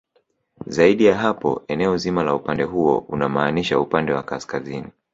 Zaidi ya hapo eneo zima la upande huo unamaanisha upande wa kaskazini